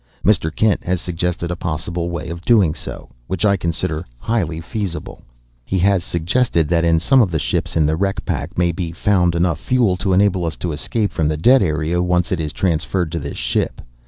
Mr. Kent has suggested a possible way of doing so, which I consider highly feasible. "He has suggested that in some of the ships in the wreck pack may be found enough fuel to enable us to escape from the dead area, once it is transferred to this ship.